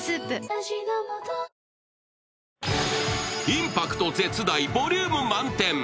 インパクト絶大ボリューム満点。